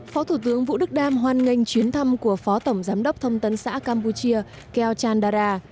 phó thủ tướng vũ đức đam hoan nghênh chuyến thăm của phó tổng giám đốc thông tấn xã campuchia keo chan dara